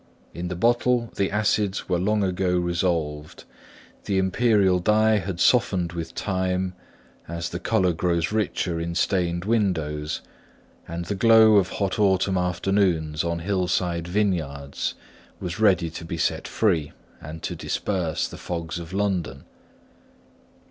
In the bottle the acids were long ago resolved; the imperial dye had softened with time, as the colour grows richer in stained windows; and the glow of hot autumn afternoons on hillside vineyards, was ready to be set free and to disperse the fogs of London.